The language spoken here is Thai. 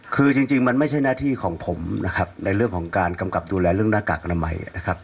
คือจริงมันไม่ใช่หน้าที่ของผมนะครับในเรื่องของการกำกับดูแลเรื่องหน้ากากอนามัยนะครับ